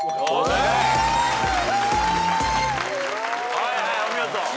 はいはいお見事。